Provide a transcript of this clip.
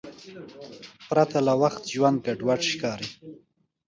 پرته له وخت ژوند ګډوډ ښکاري.